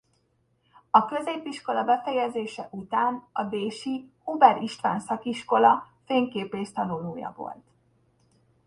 A középiskola befejezése után a Dési Huber István szakiskola fényképész tanulója volt.